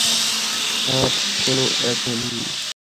হাত খোল এখনই!